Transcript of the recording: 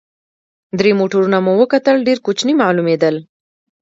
درې موټرونه مو وکتل، ډېر کوچني معلومېدل.